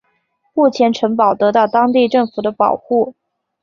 目前城堡得到当地政府的保护。